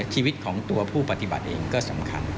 ชีวิตของตัวผู้ปฏิบัติเองก็สำคัญ